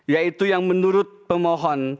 yaitu yang menurut pemohon